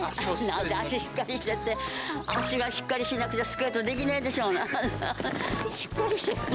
足、しっかりしてるって、足がしっかりしてなくちゃ、スケートできないでしょうが。